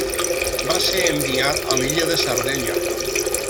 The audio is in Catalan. Va ser enviat a l'illa de Sardenya.